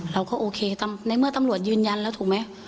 เราก็โอเคในเมื่อตำรวจยืนยันแล้วถูกไหม